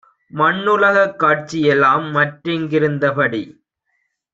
மண்ணுலகக் காட்சிஎலாம் மற்றிங் கிருந்தபடி